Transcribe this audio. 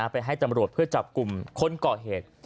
ไปให้ตำรวจเพื่อจับกลุ่มคนก่อเหตุ